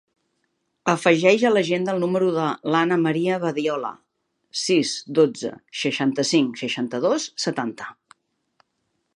Afegeix a l'agenda el número de l'Ana maria Badiola: sis, dotze, seixanta-cinc, seixanta-dos, setanta.